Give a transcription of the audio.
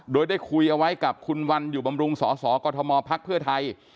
โดยได้คุยเอาไว้กับคุณวันอยู่บำรุงสสกมพักเพื่อไทย